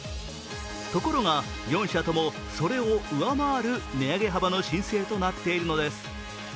ところが、４社ともそれを上回る値上げ幅の申請となっているのです。